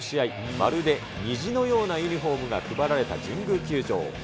まるで虹のようなユニホームが配られた神宮球場。